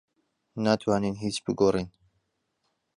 ناتوانین هیچ بگۆڕین.